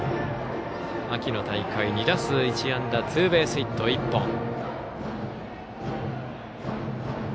秋の大会、２打数１安打ツーベースヒット１本。